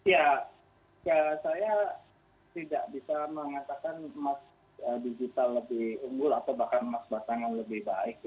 ya saya tidak bisa mengatakan emas digital lebih unggul atau bahkan emas batangan lebih baik